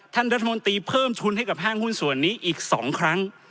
ท่านรัฐมนตรีเพิ่มทุนให้กับห้างหุ้นส่วนนี้อีก๒ครั้ง